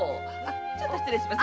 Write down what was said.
ちょっと失礼します。